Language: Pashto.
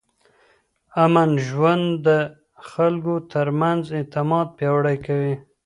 امن ژوند د خلکو ترمنځ اعتماد پیاوړی کوي.